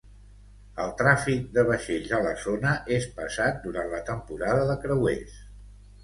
El tràfic de vaixells a la zona és pesat durant la temporada de creuers.